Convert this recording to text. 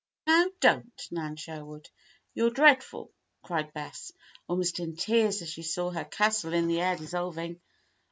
"Now, don't, Nan Sherwood! You're dreadful!" cried Bess, almost in tears as she saw her castle in the air dissolving.